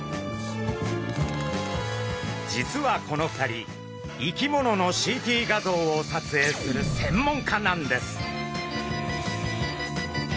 実はこの２人生き物のＣＴ画像を撮影する専門家なんです。